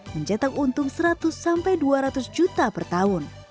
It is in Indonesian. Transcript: mencetak untung seratus sampai dua ratus juta per tahun